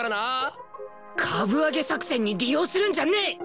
株上げ作戦に利用するんじゃねえ！